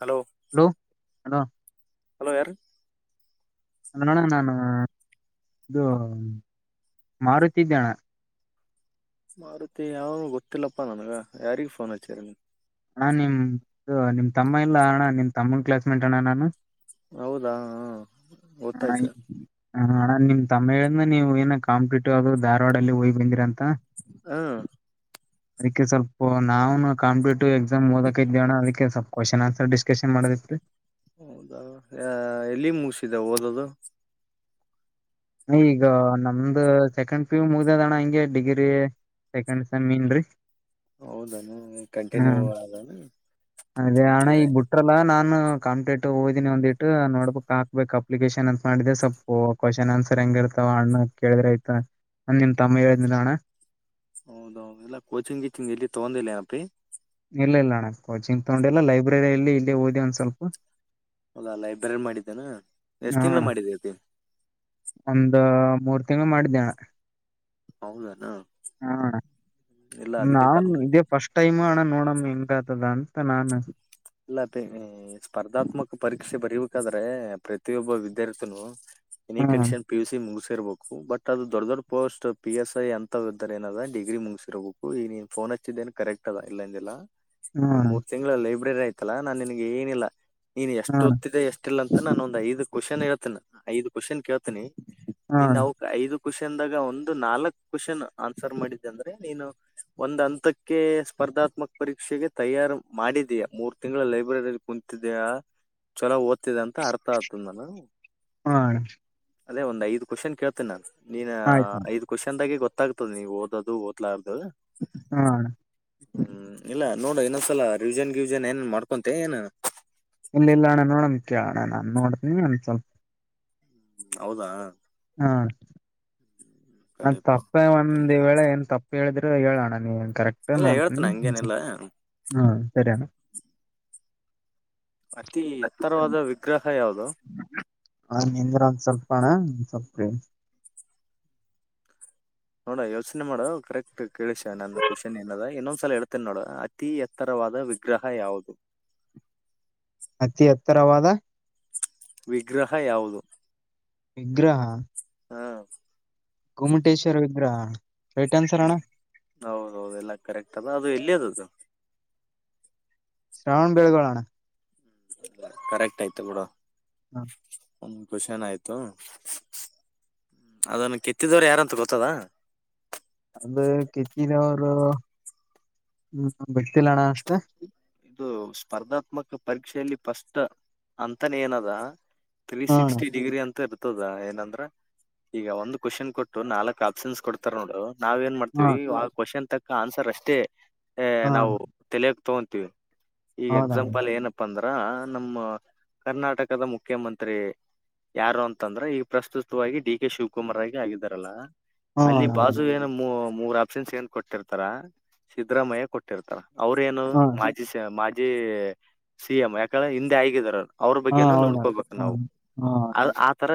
Hello hello ಅಣ. Hello ಯಾರು. ಅದಣ ನಾನು ಇದು ಮಾರುತ್ತಿದ್ದೇಣ. ಮಾರುತಿ ಯಾವ ಗೊತ್ತಿಲ್ಲಪ್ಪಾ ನನ್ಗ ಯಾರಿಗ್ ಫೋನ್ ಹಚ್ಚಾರ. ಹಾ ನಿಮ ನಿಮ್ ತಮ್ಮ ಇಲ್ಲಾ ಅಣ್ಣ ನಿಮ್ ತಮ್ಮನ್ ಕ್ಲಾಸ್ ಮೇಟ್ ಅಣ್ಣ ನಾನು. ಹೌದಾ ಹ. [unintelligible] ಹ್ಮ ಹ್ಮ ಅಣ್ಣ ನಿಮ್ ತಮ್ಮ ಏಳದ್ನ ನೀವು ಏನೊ ಕಾಂಪಿಟಿವ್ ಧಾರವಾಡಲ್ಲಿ ಹೋಗ್ ಬಂದಿರಂತೆ. ಹಾ ಅದಕ್ಕೆ ಸ್ವಲ್ಪ್ ನಾವನು ಕಾಂಪಿಟ್. ಟಿವ್ ಎಕ್ಸಾಮ್ ಓದಕತೀವಣ ಅದಕ್ಕೆ ಸ್ವಲ್ಪ ಕ್ವಶನ್ ಆನ್ಸ ಡಿಸ್ಕಶನ್ ಮಾಡೋದಿಕ್ಕೆ. ಹೌದಾ ಆ ಆ ಎಲ್ಲಿ ಮುಸಿದೆ ಓದದು. ಆ ಈಗ ನಮ್ದ್ ಸೆಕೆಂಡ್ ಪಿ ಯು ಮುಗ್ದದಣ್ಣ ಹಿಂಗೆ ಡಿಗ್ರಿ ಸೆಕೆಂಡ್ ಸೆಮ್ಮಿ ನ್ರಿ. ಹೌದೇನು ಕಂಟಿನ್ಯೂ ಆದಾನ. ಅದೆ ಅಣ ಈಗ್ ಬಿಟ್ರಲ್ಲ ನಾ ನ ಕಂಪಿಟ್ ಹೋದೀನಿ ಒಂದಿಟ್ಟ್ ನೋಡ್ಬಕ್ ಹಾಕ್ಬೇಕ್ ಅಪ್ಲಿಕೇಶನ್ ಅಂತ ಮಾಡಿದ್ದೆ ಸ್ವಲ್ಪ ಕ್ವಶನ್ ಆನ್ಸರ್ ಹೆಂಗ ಇರ್ತವ ಅಣ್ಣ ಕೇಳಿದ್ರ ಆಯತ ನಿಮ್ಮ ತಮ್ಮ ಹೇಳಿದಣ್ಣ. ಹೌದೌದು ಇಲ್ಲ ಕೋಚಿಂಗ್ ಗೀಚಿಂಗ್ ಎಲ್ಲಿ ತಗೊಂದಿಲ್ಲನಪಿ. ಇಲ್ಲ ಇಲ್ಲ ಅಣ್ಣ ಕೋಚಿಂಗ್ ತಗೊಂಡಿಲ್ಲಲ್ಲ ಲೈಬ್ರರಿಯಲ್ಲಿ ಇಲ್ಲಿ ಓದಿ ಒಂದ್ ಸ್ವಲ್ಪ. ಅಲ್ಲಾ ಲೈಬ್ರರಿ ಮಾಡಿದ್ದೇನಾ ಹ ಎಷ್ಟ್ ತಿಂಗ್ಗಳು ಅಣ್ಣ ಮಾಡಿದ್ದತಿ. ಒಂದ್ ಮೂರ್ ತಿಂಗಗಳು ಮಾಡಿದ್ದೆಣ. ಹೌದೇನ. ಹಾ ಅಣ್ಣ ನಾನ್ ಕಾಲ್ ಇದೇ ಫಸ್ಟ್ ಟೈಮು ಅಣ ನೋಡಮ್ಮ ಹೆಂಗಾತದ. ತ್ತ ನಾನು. ಇಲ್ಲಾಪಿ ಈ ಸ್ಪರ್ಧಾತ್ಮಕ ಪರೀಕ್ಷೆ ಬರಿಬೇಕಾದ್ರೆ ಪ್ರತಿಯೊಬ್ಬ ವಿದ್ಯಾರ್ಥಿನೂ‌. Any hmm condition P U C ಮುಗ್ಸ. ಇರಬೇಕು ಬಟ್ ಅದು ದೊಡ್ ದೊಡ್ ಪೋಸ್ಟ್ ಪಿ ಎಸ್ ಐ ಅಂತ [unintelligible] ಏನದ ಡಿಗ್ರಿ ಮುಗಸಿರಬೇಕು ಈ ನೀನ್ ಫೋನ್ ಹಚ್ಚಿದ್ದೇನ್ ಕರೆಕ್ಟ್ ಅದ ಇಲ್ಲ ಅಂದಿಲ್ಲಾ. ಹ್ಮ ಅಣ. [unintelligible] ಲೈಬ್ರರಿ ಆಯ್ತಲ್ಲ ನಾನ್ ನಿನ್ಗೆ ಏನಿಲ್ಲ ನೀನ್ ಎಷ್ಟು ಹ್ಮ್ ಒತ್ತಿದೆ ಎಷ್ಟ ಇಲ್ಲ. ನಾನ ಒಂದ್ ಐದು ಕ್ವೆಶನ್ ಹೇಳ್ತನ ಐದು ಕ್ವೆಶನ್ ಕೇಳ್ತನಿ. ಹ್ಮ್ ನೀನ್ ಅಣ್ಣ ಅವಕ್ ಐದಕ್. ಕ್ವನ್ದಾಗ ಒಂದು ನಾಲ್ಕಕ್ ಕ್ವಶನ್ ಆನ್ಸರ್ ಮಾಡಿದ್ದೆ ಅಂದ್ರೆ ನೀನು ಒಂದ್ ಹಂತಕ್ಕೆ ಸ್ಪರ್ಧಾತ್ಮಕ ಪರೀಕ್ಷೆಗೆ ತಯಾರು. ಮಾಡಿದೀಯಾ ಮೂರ್ ತಿಂಗಳ ಲೈಬ್ರರಿಲ್ಲಿ ಕುಂತಿದೀಯಾ ಚಲೋ ಒದ್. [unintelligible] ಅರ್ಥ ಆತದ ನಾನು. ಹ ಅಣ ಅದೇ ಒಂದ್ ಐದ್ ಕ್ವೆಶನ್ ಕೇಳ್ತಿನ್ ನಾನು. ನೀನು ಆಯ್ತ ಅಣ್ಣ ಐದ್ ಕ್ವಶನ್ದಾಗೆ ಗೊತ್ತ ಗೊತ್ತಾಗ್ತದೆ ನೀವು ಓದೋದು ಓದಲಾರ್ದದು. ಹಾ. ಹ್ಮ್ ಇಲ್ಲ ನೋಡ ಇನ್ನೊಂದ್ಸಲ ರಿವಿಜನ್ ಗಿವಿಜನ್ ಏನ್ ಮಾಡ್ಕೊಂತೆ ಏನ್. ಇಲ್ಲ ಇಲ್ಲ ಅಣ್ಣ ನೋಡಮ್ಮ ಅಣ್ಣ ನಾನ್ ನೋಡನವ ಒಂದ ಸ್ವಲ್ಪ. ಹೌದಾ. ಹಾ. ನಂದು ಕಡಿಪ ತಪ್ಪೇ ಒಂದ ವೇಳೆ ಏನ್ ತಪ್ಪ. ಹೇಲ್ದಿದ್ರೆ ಹೇಳೋಣ ನೀ. ಕರೆಕ್ಟ್ ಇಲ್ಲ ನೋಡ್ತಿನಿ ಹೇಳ್ತೇನೆ ಹಂಗೇನಿಲ್ಲ ಹ ಸರಿಯಣ. ಅತಿ ಎತ್ತರವಾದ ವಿಗ್ರಹ ಯಾವುದು. ಹ. ನೋಡ ಯೋಚನೆ ಮಾಡ ಕರೆಕ್ಟ್ ಕೇಳಸ ನನ್ನ ಕ್ವಶನ್ ಏನದ ಇನ್ನೊಂದ್ಸಲ ಹೇಳ್ತೇನ ನೋಡ ಅತಿ ಎತ್ತರವಾದ ವಿಗ್ರಹ ಯಾವುದು. ಅತಿ ಎತ್ತರವಾದ. ವಿಗ್ರಹ ಯಾವುದು. ವಿಗ್ರಹ. ಹ್ಮ. ಗೊಮ್ಮಟೇಶ್ವರ ವಿಗ್ರಹ. ರೈಟ್ ಆನ್ಸರ್ ಅಣ್ಣ ಹೌದೌದು ಎಲ್ಲಾ ಕರೆಕ್ಟ್ ಅದ ಅದು ಎಲ್ಲಿ ಅದದು. ಶ್ರಾವಣ್ ಬೆಳ್ಗೋಳ ಅಣ್ಣ. ಕರೆಕ್ಟ್ ಆಯ್ತು ನೋಡ. ಒಂದ ಕೋಶನ್ ಆಯ್ತು ಅದನ್ನು ಕೆತ್ತಿದವರು ಯಾರಂತ ಗೊತ್ತದ. ಅದು ಕೆತ್ತಿದೊರು ಹ್ಮ ಗೊತ್ತಿಲಣ ಅಷ್ಟ. ಇದು ಸ್ಪರ್ಧಾತ್ಮಕ ಪರೀಕ್ಷೆಯಲ್ಲಿ ಫಸ್ಟ್ ಅಂತಾನೇ ಏನದ. ತಲಿ ಹಾ ಅಣ್ಣ ಸಿಕ್ಸ್ಟಿ ಡಿಗ್ರಿ ಅಂತ ಇರುತ್. ಇತದ ಏನಂದ್ರೆ ಈಗ ಒಂದ್ ಕ್ವಶನ್ ಕೊಟ್ಟು ನಾಲ್ಕ್ ಆಪ್ಷನ್ಸ್ ಕೊಡ್ತಾರ ನೋಡು. ನಾವ್ ಏನ್ ಹಾ ಮಾಡ್ತಿವಿ ಆ ಕ್ವೆಶ್ಚನ್ ತಕ್. ಆನ್ಸರ್ ಅಷ್ಟೇ. ಅ ಹಾ ನಾವ. ತೊ. ತಿವ್. ಈಗ ಹೌದಣ್ಣ ಎಕ್ಸಾಂಪಲ್ ಏನಪ್ಪ ಅಂದ್ರ. ಆ ನಮ್ಮ ಕರ್ನಾಟಕದ ಮುಖ್ಯಮಂತ್ರಿ ಯಾರು ಅಂತಂದ್ರ ಈ ಪ್ರಸ್ತುತವಾಗಿ ಡಿ ಕೆ ಶಿವಕುಮಾರ್ ಆಗಿ ಆಗಿದಾರಲ್ಲ. ಹಾ ಅಲ್ಲಿ ಅಣ್ಣ ಹೌದು ಪಾಸು ಏನು ಮು. ಮೂರ್ ಆಪ್ಷನ್ಸ್ ಏನ್ ಕೊಟ್ಟಿರ್ತಾರ ಸಿದ್ದರಾಮಯ್ಯ ಕೊಟ್ಟಿರ್ತಾರ ಅವ್ರ ಏನು. ಹಾ ಮಾಜಿ ಸ ಮಾ ಜೀ ಸಿಎಂ ಯಾಕೇಳ ಹಿಂದೆ ಆಗಿದಾರವ್ರ್. ಅವ್ರ ಹಾ ಬಗ್ಗೆನು ಹೌದಣ್ಣ ನೋಡ್ಕೋಬೇಕು ನಾವು ಹಾ ಹಾ ಅದ್ ಆತರ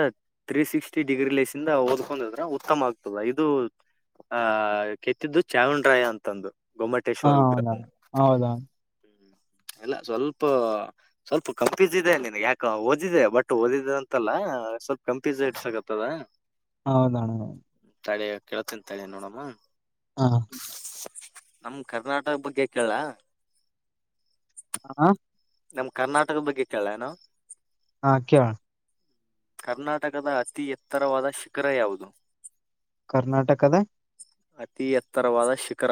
ತ್ರೀ ಸಿಕ್ಸ್ಟಿ ಡಿಗ್ರಿ ಲೇಸಿಂದ ಓದ್ಕೊಂಡಿದ್ರೆ ಉತ್ತಮ ಆಗ್ತದ ಇದು ಆ ಕೆತ್ತಿದ್ದು ಚಾವಣ್ ರಾಯ ಅಂತಂದು. ಹಾ ಗೊಮ್ಮಟೇಶ್ವರ ವಿಗ್ರಹ ಹೌದಾ ಹೌದಾ. ಇಲ್ಲ ಸ್ವಲ್ಪ, ಸ್ವಲ್ಪ ಕಂಫ್ಯೂಸ್ ಇದೆ ನಿನಗ್ಯಾಕೊ ಓದಿದೆ ಬಟ್ ಓದಿದ ಅಂತಲ್ಲ ಸ್ವಲ್ಪ ಕಂಪ್ಯೂಸ್ ಹಿಡ್ಸಾಕತ್ತದ. ಹೌದಣಾ. ಕೇಳ್ತನ್ ತಡಿ ನೋಡಮೂ. ಹಾ. ನಮ್ ಕರ್ನಾಟಕದ್ ಬಗ್ಗೆ ಕೇಳ್ಲಾ. ಆ ಹಾ. ನಮ್ ಕರ್ನಾಟಕದ್ ಬಗ್ಗೆ ಕೇಳ್ಲೇನು. ಹಾ ಕೇಳ್. ಕರ್ನಾಟಕದ ಅತಿ ಎತ್ತರವಾದ ಶಿಖರ ಯಾವುದು. ಕರ್ನಾಟಕದ ಅತಿ ಎತ್ತರವಾದ ಶಿಖರ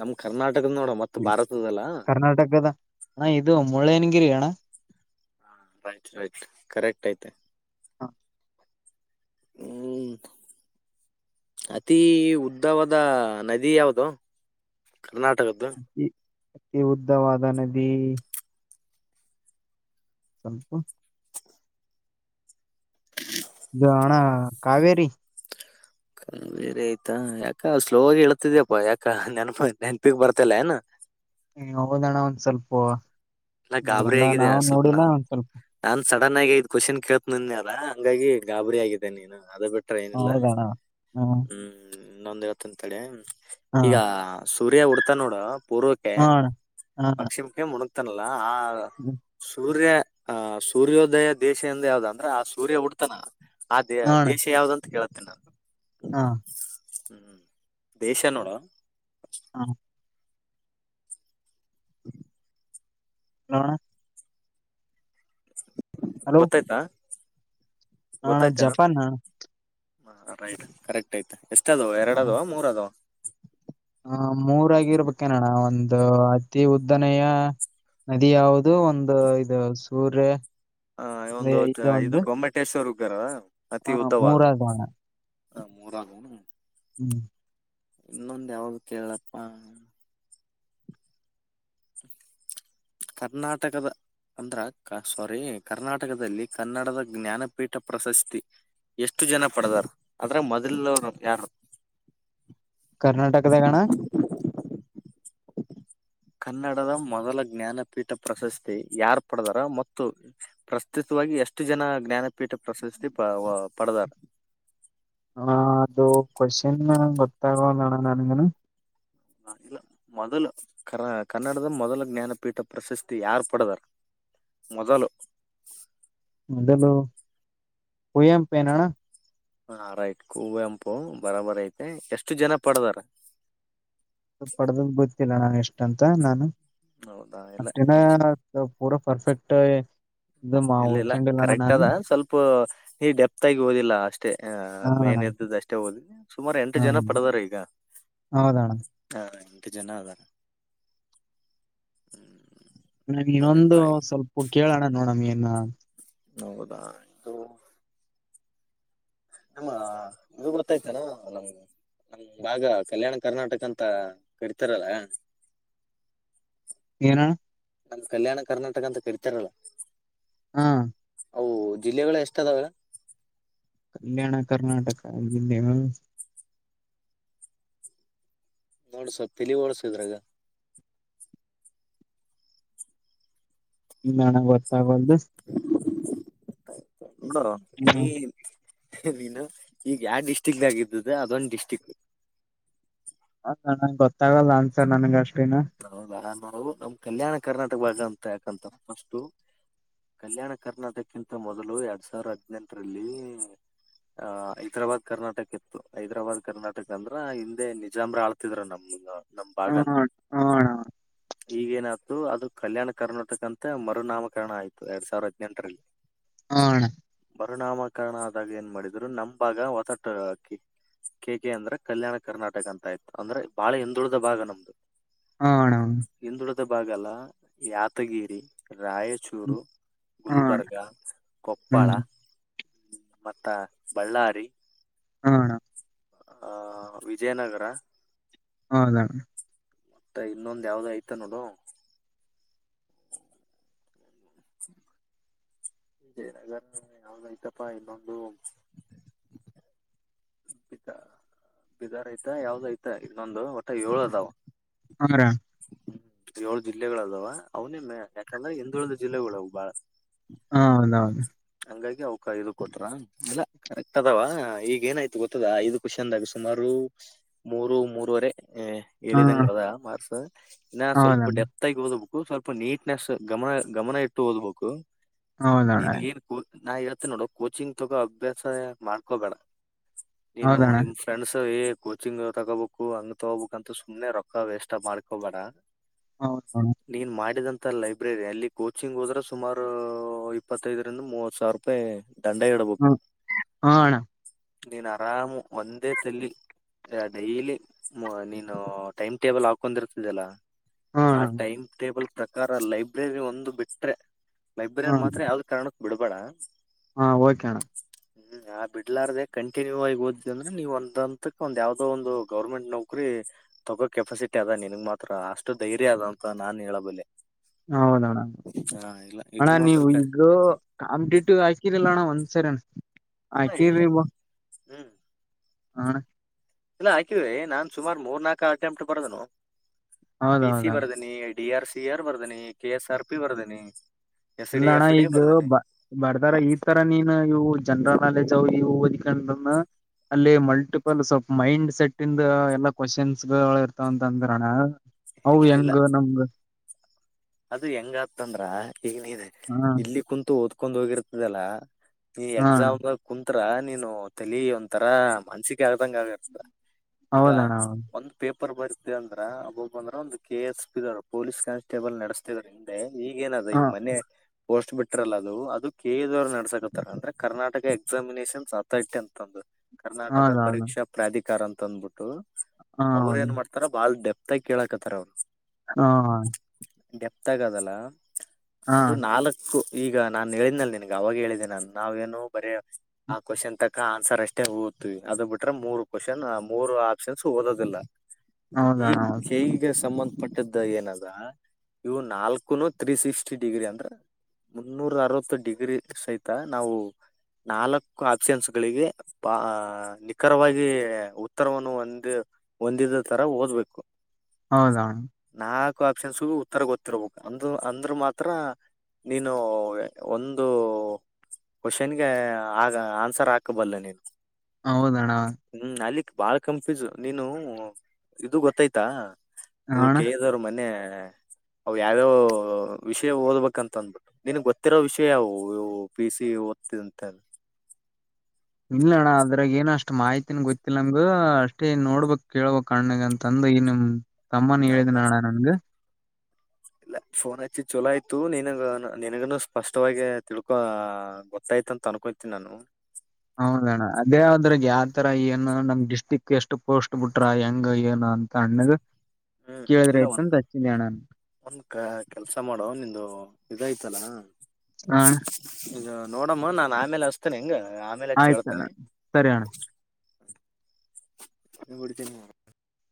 ನಮ್ ಕರ್ನಾ ಟಕದ್ ನೋಡ ಮತ್ತ ಭಾರತದಲ್ಲಾ. ಆ ಇದು ಮುಳ್ಳಯ್ಯನಗಿರಿ ಅಣ್ಣಾ. ರೈಟ್ ರೈಟ್ ಕರೆಕ್ಟ್ ಐತೆ. [inaudible] ಹ್ಮ್ ಅತೀ ಉದ್ದವಾದ ನದಿ ಯಾವುದೋ. ಕರ್ನಾಟಕದ್ದು. ಅತಿ ಅತಿ ಉದ್ದವಾದ ನದಿ ಸಲ್ಪು ಇದು ಅಣ್ಣ ಕಾವೇರಿ. ಕಾವೇರಿ ಐತಾ ಯಾಕ ಸ್ಲೋ ಆಗ್ ಹೇಳ್ತಿದಿಯಪ್ಪಾ ಯಾಕ ನೆನಪ ನೆನಪಿಗ್ ಬರ್ತಿಲ್ಲ ಏನ. ಹ್ಞೂಂ ಹೌದಣ ಒಂದ್ ಸ್ವಲ್ಪು ಇಲ್ಲ ಎಲ್ಲ ನಾವು ನೋಡಿಲ್ಲ ಒಂದ್ ಸ್ವಲ್ಪ್ ಸಡನ್ನಾಗಿ ಐದು ಕ್ವೆಶ್ಚನ್ ಕೇಳ್ತೀನ್ ಅದ್ನಲ್ಲ ಹಂಗಾಗಿ ಗಾಬರಿ ಆಗಿದೆ ನೀನು ಅದೇ ಬಿಟ್ ಟ್ರ ಏನಿಲ್ಲ ಹೌದಣ ಹ ಹ್ಞೂಂ. ಇನ್ನೊಂದ್ ಹೇಳ್ತನ್ ತಡ್ಯಾ. ಹ ಈಗಾ ಸೂರ್ಯ ಹುಟ್ತಾನ್ನೋಡ ಪೂರ್ವಕ್ಕೆ, ಹ ಅಣ್ಣ ಹ ಪಕ್ಷಿಮಕ್ಕೆ ಮುಣಗ್ತ್ [unintelligible] ಆ ಹ ಸೂರ್ಯ ಆ ಸೂರ್ಯೋದಯ ದೇಶ ಇಂದ ಯಾವ್ದ ಅಂದ್ರ ಆ ಸೂರ್ಯ ಹುಟ್ಟುತಾನ. ಅದ ದೇ ದೇಶ ಯಾವ್ದಂತ ಕೇಳ. [inaudible] ಹಾ ಹ್ಮ್ ದೇಶ ನೋಡ. ಹಾ ನೋಣ. [inaudible] ಗೊತ್ತಾಯ್ತಾ. ಹಣ ಗೊತ್ತಾಯ್ತೇನ ಜಪಾನ. ಹ ರೈಟ್ ಕರೆಕ್ಟ್ ಆಯ್ತೆ ಎಸ್. ಎಷ್ಟ ಅದವ ಎರಡದವ ಮೂರ ಅದವ. ಹ ಮೂರಾಗಿರ್ಬೇಕೇನಣ ಒಂದು ಅತಿ ಉದ್ದನೆಯ ನದಿ ಯಾವುದು ಒಂದು ಇದು ಸೂರ್ಯ. ಹ ಒಂದು ಇದು ಗೊಮ್ಮಟೇಶ್ವರ್. ಗರ. ಹಾ ಮೂರದವ್ಣ. ಹ ಮೂರದ್ವೇನು. ಹ್ಮ್ ಇನ್ನೊಂದ ಯಾವ್ದ ಕೇಳ್ಲಪ್ಪಾ. ಕರ್ನಾಟಕದ ಅಂದ್ರೆ ಸ್ವಾರಿ ಕರ್ನಾಟಕದಲ್ಲಿ ಕನ್ನಡದ ಜ್ಞಾನಪೀಠ ಪ್ರಶಸ್ತಿ ಎಷ್ಟು ಜನ ಪಡೆದಾರ ಆದ್ರೆ ಮೊದಲರು ಯಾರು. ಕರ್ನಾಟಕದಾಗಣ ಕನ್ನಡದ ಮೊದಲ ಜ್ಞಾನಪೀಠ ಪ್ರಶಸ್ತಿ ಯಾರ್ ಪಡದಾರ ಮತ್ತು ಪ್ರಸ್ತುತವಾಗಿ ಎಷ್ಟು ಜನ ಜ್ಞಾನಪೀಠ ಪ್ರಶಸ್ತಿ ಪ ಪಡದಾರ. ಹ ಅದು ಕ್ವಶನ್ ಗೊತ್ತಾಗ್ವಲ್ದಣ ನನಗೂನು. ಇಲ್ಲ ಮೊದಲು ಕರ್ ಕನ್ನಡದ ಮೊದಲ ಜ್ಞಾನಪೀಠ ಪ್ರಶಸ್ತಿ ಯಾರು ಪಡದಾರ ಮೊದಲು. ಮೊದಲು ಕುವೆಂಪೆನಣ. ಹಾ ರೈಟ್ ಕೂವೆಂಪು ಬರಾಬರ ಐತೆ ಎಷ್ಟು ಜನ ಪಡದಾರ. ಪಡೆದಿದ್ದು ಗೊತ್ತಿಲ್ಲ ಣ ಎಷ್ಟು. ತಂತ ನಾನು. ಹೌದಾ ಇಲ್ಲ ಅಷ್ಟೇನ ಪೂರ ಪರ್ಫೆಕ್ಟ್. ಇದು ಇಲ್ಲ ಇಲ್ಲ ಓದ್ಕೊಂಡಿಲ್ಲಣ ಕರೆಕ್ಟ್ ನಾನು ಅದ ಸ್ವಲ್ಪ್ ನೀ ಡೆಪ್ತ್ ಆಗಿ ಓದಿಲ್ಲ ಅಷ್ಟೇ ಅಹ ಹ ಮೇನ್ ಇದ್ದದ್ದ ಅಷ್ಟೇ ಓದಿ. ಸುಮಾರ ಎಂಟು ಹ ಜನ ಪಡದಾರ ಈಗ ಹೌದಣ ಹ. ಎಂಟ್ ಜನ ಇದರ. [unintelligible] ಇನ್ನೊಂದು ಸ್ವಲ್ಪ ಕೇಳೋಣ ನೋಡಮ ಏನ್. ನ. ಹೌದಾ ಇದು. ನಮ್ಮ ನೀವು [unintelligible] ನಮ ನಮ್ಮ ಭಾಗ ಕಲ್ಯಾಣ ಕರ್ನಾಟಕ ಅಂತ ಕರಿತಾರಲ್ಲ. ಏನಣ. ನಮ್ಮ ಕಲ್ಯಾಣ ಕರ್ನಾಟಕ ಅಂತ ಕರಿತಾರಲ್ಲ. ಹಾ ಅವು ಜಿಲ್ಲೆಗಳು ಎಷ್ಟ ಅದಾವ. ಕಲ್ಯಾಣ ಕರ್ನಾಟಕ ಜಿಲ್ಲೆಗಳು. ನೋಡ್ಸ ತಲಿ ಓಡ್ಸ ಇದ್ರಗ. ನನಗ್ಗೋತ್ತ. [unintelligible] [unintelligible] ನೀನು ಈಗ ಯಾವ ಡಿಸ್ಟ್ರಿಕ್ದಾಗಿದ್ದದ್ದು ಅದೊಂದು ಡಿಸ್ಟ್ರಿಕ್. ಹ ಣ ಗೊತ್ತಾಗಲ್ಲ ಆನ್ಸರ್ ನನ್ಗ ಅಷ್ಟ. ಹೌದಾ ನಾವು ನಮ್ ಕಲ್ಯಾಣ. ಕರ್ನಾಟಕ ಭಾಗ ಅಂತ ಯಾಕಂತಾರ ಫಸ್ಟು ಕಲ್ಯಾಣ ಕರ್ನಾಟಕ್ಕಿಂತ ಮೊದಲು ಎರಡ್ ಸಾವಿರ ಹದ್ನೆೆಂಟರಲ್ಲಿ ಆ ಹೈದ್ರಾಬಾದ್ ಕರ್ನಾಟಕ ಇತ್ತು ಹೈದ್ರಾಬಾದ್ ಕರ್ನಾಟಕ ಅಂದ್ರ ಹಿಂದೆ ನಿಜಾಮ್ರ ಆಳ್ತಿದ್ರ ನಮ್ ನಮ್ ಹಣ ಭಾಗನ. ಹಣ ಈಗೇನಾತ್ತು ಅದು ಕಲ್ಯಾಣ ಕರ್ನಾಟಕ ಅಂತ ಮರುನಾಮಕರಣ ಆಯ್ತು ಎರಡ್ ಸಾವಿರ ಹದ್ನೆಂಟರಲ್ಲಿ. ಹಾ ಅಣ್ಣಾ ಮರುನಾಮಕರಣ ಆದಾಗ ಏನ್ ಮಾಡಿದ್ರು ನಮ್ ಭಾಗ ಒಸಟ ಕೆ ಕೆ ಅಂದ್ರ ಕಲ್ಯಾಣ ಕರ್ನಾಟಕ ಅಂತ ಆಯ್ತು ಅಂದ್ರೆ ಬಾಳ ಹಿಂದುಳಿದ ಭಾಗ ನಮ್ದು. ಹಣ ಹಿಂದುಳಿದ ಭಾಗಲ್ಲ ಯಾತಗಿರಿ ರಾಯಚೂರು. ಹಣ ಗುಲ್ಬರ್ಗ ಕೊಪ್ಪಳ. ಮತ್ತ ಬಳ್ಳಾರಿ. ಹು ಅಣ್ಣಾ ಆ ವಿಜಯನಗರ. ಹೌದಣ್ಣ. ಮತ್ತ ಇನ್ನೊಂದ್ ಯಾವ್ದ ಆಯ್ತ ನೋಡು. ವಿಜಯನಗರ ಇನ್ನೊಂದ್ ಐತಪ್ಪ ಇನ್ನೊಂದು. ಬ ಬಿದಾರ್ ಐತ ಯಾವ್ದ ಐತ ಇನ್ನೊಂದು ಒಟ್ಟ ಏಳದಾವ. [unintelligible] ಯೋಳು ಜಿಲ್ಲೆಗಳ ಅದಾವ ಅವನೇನು ಯಾಕಂದ್ರೆ ಹಿಂದುಳಿದ ಜಿಲ್ಲೆಗಳು ಅವು ಬಾಳ. ಹ ಹೌದೌದು. ಹಂಗಾಗಿ ಅವ್ಕ ಇದು ಕೊಟ್ರ ಇಲ್ಲ ಕರೆಕ್ಟ್ ಅದಾವ ಈಗ ಏನಾಯ್ತು ಗೊತ್ತದ ಐದು ಕ್ವೆಶ್ಚನ್ದಾಗ ಸುಮಾರು ಮೂರು ಮೂರವರೆ. ಏ ಹಾ ಹೇಳಿದಂಗದ ಮಾರ್ಸ. ಇನ್ನ ಸ್ವಲ್ಪ ಹೌದಣ್ಣ ಡೆಪ್ತ್ ಆಗಿ ಓದ್ಬೇಕ್. ಸ್ವಲ್ಪ ನೀಟ್ನೆಸ್ ಗಮನ ಗಮನ ಇಟ್ಟು ಓದ್ಬೇಕು. ಹೌದಣ ನಿನ್ಗ ಆಯ್ ಏನ್ ನಾ ಹೇಳ್ತೀನಿ ನೋಡು ಕೋಚಿಂಗ್ ತಗೋ ಅಭ್ಯಾಸ ಮಾಡ್ಕೊಬೇಡ. ನೀನು ಹೌದಣ್ಣ ನಿಮ್ ಫ್ರೆಂಡ್ಸ್ ಎ ಕೋಚಿಂಗ್ ತಗೋಬೇಕು ಹಂಗ್ ತಗೋಬೇಕಂತ ಸುಮ್ನೆ ರೊಕ್ಕ ವೇಸ್ಟ ಮಾಡ್ಕೋಬೇಡ. [unintelligible] ಹೌದಣ್ಣ ನೀನ್ ಮಾಡಿದ ಲೈಬ್ರೆರಿ ಅಲ್ಲಿ ಕೋಚಿಂಗ್ ಹೋದ್ರೆ ಸುಮಾರು ಇಪ್ಪತ್ತೈದ್ ಇ ಮುವತ್ ಸಾವ್ರಪಾಯಿ ಹ್ಮ [unintelligible] ಹಾ ಅಣ ನೀನ್ ಆರಾಮ್ ಒಂದೇ ತಲ್ಲಿ ಡೈಲಿ ನೀನು ಟೈಮ್ ಟೇಬಲ್ ಹಾಕೊಂಡಿರ್ತಿದಲ ಹಾ ಅಣ್ಣ ಆ ಟೈಮಟೇಬಲ್ ಪ್ರಕಾರ ಲೈಬ್ರರಿ ಒಂದು ಬಿಟ್ರೆ ಲೈಬ್ರರಿ ಹಾ ಮಾತ್ರ ಯಾವ್ದ ಕಾರಣ ಬಿಡ್ಬೇಡ ಹಾ ಓಕೆಣ ಹ್ಮ್ ಬಿಡ್ಲಾರ್ದ ಕಂಟಿನ್ಯೂ ಆಗಿ ಓದಿದಂದ್ರ ನೀವ್ ಒಂದಂತಕ್ ಒಂದ್ ಯಾವ್ದೋ ಒಂದು ಗೌರ್ಮೆಂಟ್ ನೌಕ್ರರಿ ತಗೋ ಕೆಪಾಸಿಟಿ ಅದ ನಿನ್ಗ್ ಮಾತ್ರ ಅಷ್ಟು ಧೈರ್ಯ ಅದ ಅಂತ ನಾನ್ ಹೇಳಬಲ್ಲೆ. ಹೌದಣ [unintelligible] ಹ ಇಲ್ಲ ಅಣ ಇದು ಮಾತ್ರ ನೀವ್ ಕ ಇದು ಕಾಂಪಿಟೇಟಿವ್ ಆಕಿರಿಲ್ಲಣ ಒನ್ ಸರೆನ ಹಾ, ಏ ಆಕಿವ್ರಿ ಬ ಹ ಅಣ ಇಲ ಹಾಕಿವಿ ನಾನ್ ಸುಮಾರು ಮೂರ್ ನಾಕ್ ಅಟ್ಟೆಂಪ್ಟ್ ಬರ್ದುನೋ. ಪಿಸಿ ಹೌದೌದಣ್ಣ ಬರದನೀ ಡಿ ಆರ್ ಸಿ ಆರ್ ಬರ್ದನಿ ಕೆ ಎಸ್ ಆರ್ ಪಿ ಬರ್ದನಿ. ಎಫ್ ಇಲ್ಲ ಡಿ ಅಣ್ಣ ಎಫ್ ಡಿ ಈಗ ಬರ್ದೇನೆ ಬ ಬರ್ದಾರ ಈ ತರ ನೀನ್ ಇವು ಜನರಲ್ ಜನರಲ್ ನಾಲೆಜ್ ಅವು ಇವು ಓದ್ಕೊಂಡ್ರುನು ಅಲ್ಲಿ ಮಲ್ಟಿಪಲ್ ಸ್ವಲ್ಪ್ ಮೈಂಡ್ ಸೆಟ್ ಇಂದ ಎಲ್ಲಾ ಕ್ವಶನ್ಸ್ ಗಳು ಇರ್ತಾವಂತಂದ್ರನ ಅವು ಇಲ್ಲ ಇಲ್ಲ ಹೆಂಗ ನಮ್ಗ ಅದು ಹೆಂಗ ಆತಂದ್ರ ಈಗ್ ನೀನ್ ಹ ಇಲ್ಲಿ ಕುಂತು ಓ ಕೊಂಡ್ ಹೋಗಿರ್ತದಲ ನೀ ಹಾ ಅಣ್ಣ ಎಕ್ಸಾಮ್ ಕು ತ್ರ ನೀನು ತಲಿ ಒಂತರ ಮಾನಸಿಕ್ ಆದಂಗ ಆಗತ. ಈಗ ಹೌದಣ್ಣ ಹೌದು ಒಂದ್ ಪೇಪ ಪರ್ ಬರ್ತಅಂದ್ರ ಅಬ್ಬಬ್ ಬಂದ್ರ ಒಂದು ಕೆ ಎಸ್ ಪಿ ದು ಅದು ಪೊಲೀಸ್ ಕಾನ್ಸ್ಟೇಬಲ್ ನೆಡ್ [unintelligible] ಈಗ್ ಏನ್ ಅದ ಹಾ ಈಗ್ ಮನೆ. ಪೋಸ್ಟ್ ಬಿಟ್ಟಿರಲ್ಲ ಅದು ಅದು ಕೆ ಇ ಎ ದೋರ್ ನಡ್ಸಕತ್ತರ ಅಂದ್ರೆ ಕರ್ನಾಟಕ ಎಕ್ಸಾಮಿನೇಷನ್ಸ್ ಅಥಾರಿಟಿ ಅಂತಂದು. ಕರ್ನಾಟಕ ಹೌದೌದು ಪರೀಕ್ಷಾ ಪ್ರಾಧಿಕಾರ ಅಂತ್. ತಂದ್ಬಿಟ್ಟು. ಹಾ ಅವ್ರ ಹೌದು ಏನ್ ಮಾಡ್ತಾರ ಬಾಳ್ ಡೆಪ್ ತ್ತ್ ಆಗಿ ಕೇಳಕತ್ತಾರ ಅವು. ಹಾ. ಡೆಪ್ತ್ ಆಗದಲ್ಲ. ಹಾ ಅದು ನಾಲ್ಕು. ಈಗ ನಾನ್ ಹೇಳಿದ್ನಲ್ಲಿ ನಿನಗೆ ಅವಾಗೆ ಹೇಳಿದೆೆ ನಾನು ನಾವೇನು ಬರೇ. ಹ ಕ್ವೆಶ್ಚನ್ ತ್. ಕ್ಕ ಆನ್ಸರ್ ಅಷ್ಟೇ ಓದ್ವಿ ಅದು ಬಿಟ್ರೆ ಮೂರು ಕ್ವಶನ್ ಮೂರು ಆಪ್ಷನ್ಸ್ ಓದೋದಿಲ್ಲ. ಹೌದಣ್ಣ ಈಗ್ ಹೌದು ಕೆಇಎಗೆ ಸಂಬಂದ್. ಪಟ್ಟದ್ದ ಏನದ. ಇವು ನಾಲ್ಕುನು ಥ್ರೀ ಸಿಕ್ಸ್ಟಿ ಡಿಗ್ರಿ ಅಂದ್ರ ಮುನ್ನೂರ ಅರವತ್ತು ಡಿಗ್ರಿ ಸಹಿತ ನಾವು ನಾಲ್ಕು ಆಪ್ಷನ್ಸ್ ಗಳಿಗೆ ಬ ನಿಖರವಾಗಿ ಉತ್ತರವನ್ನು ಒಂದ್ ಹೊಂದಿದ ತರ ಓದ್ಬೇಕು. ಹೌದ್ ಹೌದ್. ಒಪ್ಶನ್ಸ್ ಗು [unintelligible] ತರ ಗೊತ್ತಿರ್ಬೇಕ್ ಅಂದ ಅಂದ್ರ ಮಾತ್ರ ನೀನು ಒಂದು ಕ್ವಶನ್ಗೆ ಆಗ ಆನ್ಸರ್ ಹಾಕಬಲ್ಲ ನೀನ್. ಹೌದಣ್ಣ. ಬಾಳ್ ಕಂಫ್ಯೂಸ್ ನೀನು ಇದು ಗೊತ್ತಾಯ್ತಾ. ಇದು ಅಣ್ಣ ಕೆ ಇ ದೋರ್ ಮನೆ. ಹೇ. ಅವ್ ಯಾವ್ಯಾವ ವಿಷಯ ಓದ್ಬೇಕೆಂತಂತಂದು ನಿನ್ ಗೊತ್ತಿರೋ ವಿಷಯ ಅವು ಇವು ಪಿ ಸಿ ಓ ಸಿ ಅಂತ. ಇಲ್ಲಣ್ಣ ಅದ್ರಾಗ ಏನ ಅಷ್ಟ್ ಮಾಹಿತಿನು ಗೊತ್ತಿಲ್ಲ ಅಂದು ಅಷ್ಟೇ ನೋಡ್ಬಕ್ ಕೇಳ್ಬಕ್ ಅಣ್ಣುಗ್ ಅಂತಂದು ಈ ನಿಮ್. ತಮ್ಮನು ಹೌದಾ ಹೇಳಿದನಣ್ಣ ನಂದು. ಇಲ್ಲ ಫೋನ್ ಹಚ್ಚಿ ಚೊಲೋ ಆಯ್ತು ನೀನುಗ್ ನೀನುಗುನು ಸ್ಪಷ್ಟವಾಗಿ ತಿಳ್ಕೊ ಗೊತ್ತಾಯ್ತ ಅಂತ ಅನ್ಕೊತೀನಿ ನಾನು. ಹೌದಣ್ಣ ಅದೇ ಆದ್ರಗ್ ಯಾವತರ ಏನು ನಮ್ ಡಿಸ್ಟ್ರಿಕ್ ಎಷ್ಟು ಪೋಸ್ಟ್ ಬಿಟ್ರ ಹೆಂಗ ಏನು ಅಂತ ಅಣ್ಣುಗ. ಹ್ಮ್ ಇಲ್ಲ ಒಂದ್ ಒಂದ್ ಕ ಕೆಲ್ಸ ಮಾಡುವ ನಿಂದು ಇದ ಐತ್. ತ್ತ್ಲ [inaudible] ಹ ಅಣ್ಣ. ಇದು ನೋಡಮ್ಮ ನಾನ್ ಆಮೇಲೆ ಹಸ್ತೇನೆ ಹೆಂಗ. ಆಮೇಲೆ ಹಚ್ಚಿ ಆಯ್ತಣ್ಣ ಹೇಳ್ತೇನೆ ಸರಿ ಅಣ್ಣ. [unintelligible]